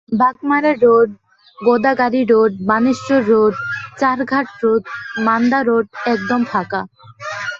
Bagmara road, Godagari road, Baneshwar road, Charghat road, Manda road একদম ফাঁকা।